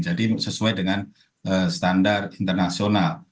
jadi sesuai dengan standar internasional